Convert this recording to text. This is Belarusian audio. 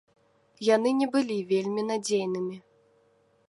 Яны не былі вельмі надзейнымі.